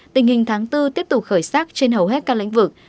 tình hình tháng bốn tiếp tục khởi sắc trên hầu hết các lĩnh vực